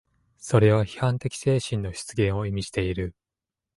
それは批判的精神の出現を意味している。